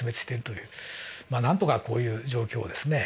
なんとかこういう状況をですね